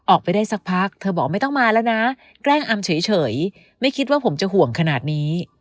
ออกไปได้สักพักเธอบอกไม่ต้องมาแล้วนะแกล้งอำเฉยไม่คิดว่าผมจะห่วงขนาดนี้